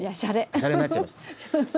シャレになっちゃいました。